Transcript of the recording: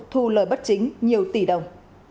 thu lời bất chính nhiều tỷ đồng